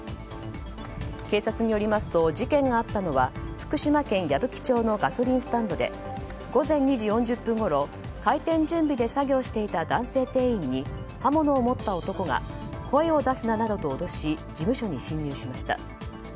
警察によりますと事件があったのは福島県矢吹町のガソリンスタンドで午前２時４０分ごろ、開店準備で作業していた男性店員に刃物を持った男が声を出すななどと脅し事務所に侵入しました。